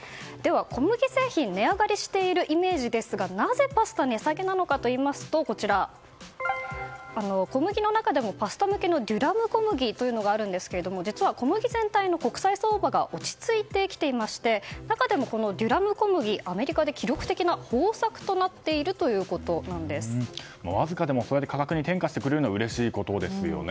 小麦製品値上がりしているイメージですがなぜパスタが値下げなのかといいますと小麦の中でもパスタ向けのデュラム小麦というのがあるんですが実は、小麦全体の国際相場が落ち着いてきていまして中でもデュラム小麦アメリカで記録的な豊作とわずかでも価格に転嫁してくれるのはうれしいですね。